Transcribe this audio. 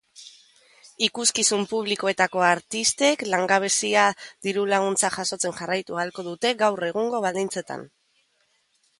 Ikuskizun publikoetako artistek langabezia dirulaguntza jasotzen jarraitu ahalko dute gaur egungo baldintzetan.